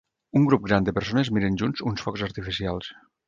Un grup gran de persones miren junts uns focs artificials.